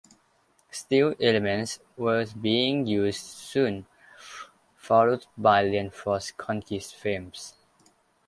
Steel elements were being used; soon followed by reinforced-concrete frames.